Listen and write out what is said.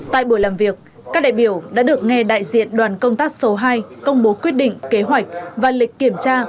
tại buổi làm việc các đại biểu đã được nghe đại diện đoàn công tác số hai công bố quyết định kế hoạch và lịch kiểm tra